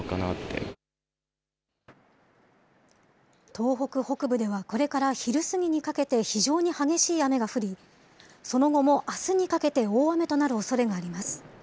東北北部ではこれから昼過ぎにかけて非常に激しい雨が降り、その後もあすにかけて大雨となるおそれがあります。